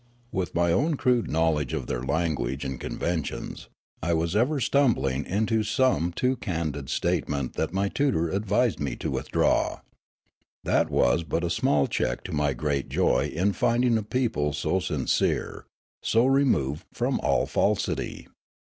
With my own crude knowledge of their language and conven tions, I was ever stumbling into some too candid state ment that my tutor advised me to withdraw. That was but a small check to my great joy in finding a people so sincere, so removed from all falsit}